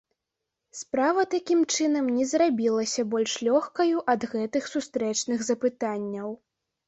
Справа такім чынам не зрабілася больш лёгкаю ад гэтых сустрэчных запытанняў.